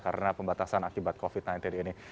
karena pembatasan akibat covid sembilan belas ini